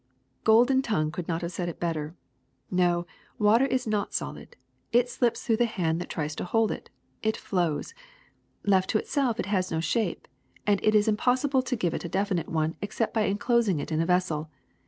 ^^ Golden tongue could not have said it better. No, water is not solid. It slips through the hand that tries to hold it; it flows. Left to itself it has no shape, and it is impossible to give it a definite one except by enclosing it in a vessel.